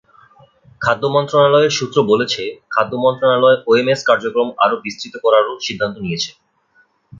খাদ্য মন্ত্রণালয়ের সূত্র বলেছে, খাদ্য মন্ত্রণালয় ওএমএস কার্যক্রম আরও বিস্তৃত করারও সিদ্ধান্ত নিয়েছে।